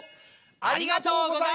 ありがとうございます。